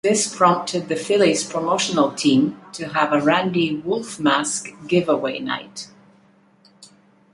This prompted the Phillies promotional team to have a Randy Wolf Mask giveaway night.